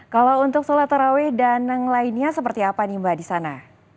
kalau untuk sholat taraweh dan yang lainnya seperti apa nih mbak di sana